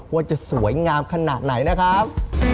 ว่าจะสวยงามขนาดไหนนะครับ